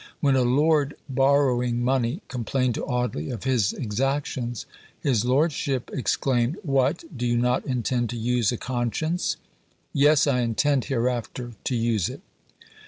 When a lord borrowing money complained to Audley of his exactions, his lordship exclaimed, "What, do you not intend to use a conscience?" "Yes, I intend hereafter to use it.